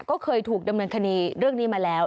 ก็เคยถูกดำเนินคดีเรื่องนี้มาแล้ว